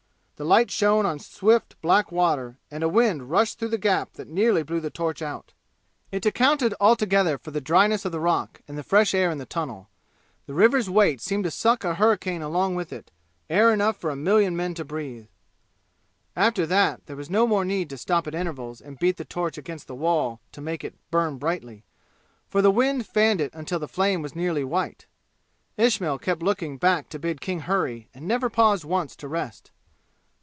The light shone on swift black water, and a wind rushed through the gap that nearly blew the torch out. It accounted altogether for the dryness of the rock and the fresh air in the tunnel. The river's weight seemed to suck a hurricane along with it air enough for a million men to breathe. After that there was no more need to stop at intervals and beat the torch against the wall to make it burn brightly, for the wind fanned it until the flame was nearly white. Ismail kept looking back to bid King hurry and never paused once to rest.